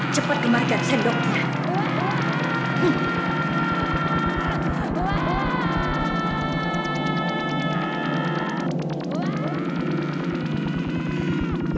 cepat kemarikan sendoknya